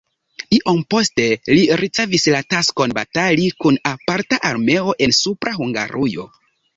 Iom poste li ricevis la taskon batali kun aparta armeo en Supra Hungarujo.